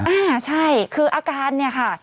อ่าใช่คืออาการเนี่ยค่ะ